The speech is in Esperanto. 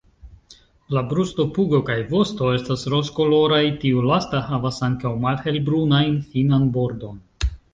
La brusto, pugo kaj vosto estas rozkoloraj, tiu lasta havas ankaŭ malhelbrunajn finan bordon.